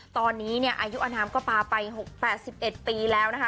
ตอนนี้อายุอนามก็ปลาไป๖๘๑ปีแล้วนะคะ